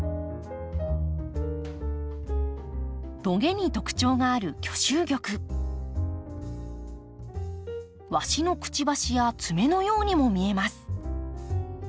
トゲに特徴がある鷲のくちばしや爪のようにも見えます。